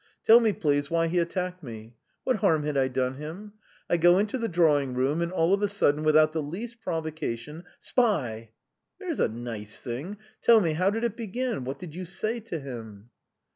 Tell me, please, why he attacked me. What harm had I done him? I go into the drawing room, and, all of a sudden, without the least provocation: 'Spy!' There's a nice thing! Tell me, how did it begin? What did you say to him?"